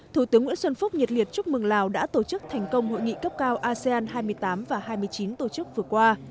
thủ tướng nguyễn xuân phúc nhiệt liệt chúc mừng lào đã tổ chức thành công hội nghị cấp cao asean hai mươi tám và hai mươi chín tổ chức vừa qua